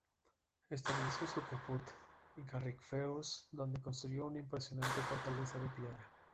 Estableció su "caput" en Carrickfergus, donde construyó una impresionante fortaleza de piedra.